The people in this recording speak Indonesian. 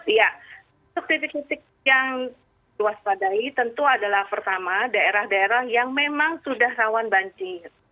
iya untuk titik titik yang diwaspadai tentu adalah pertama daerah daerah yang memang sudah rawan banjir